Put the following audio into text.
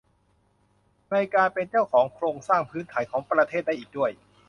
ในการเป็นเจ้าของโครงสร้างพื้นฐานของประเทศได้อีกด้วย